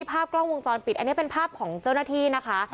ภาพกล้องวงจรปิดอันนี้เป็นภาพของเจ้าหน้าที่นะคะ